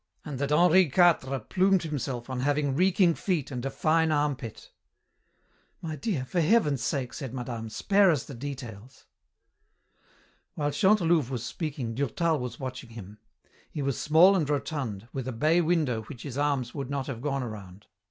and that Henri Quatre plumed himself on having 'reeking feet and a fine armpit.'" "My dear, for heaven's sake," said madame, "spare us the details." While Chantelouve was speaking, Durtal was watching him. He was small and rotund, with a bay window which his arms would not have gone around.